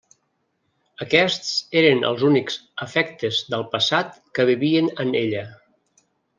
Aquests eren els únics afectes del passat que vivien en ella.